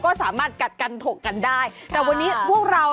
ครูกับครูกับ